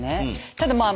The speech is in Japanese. ただまあ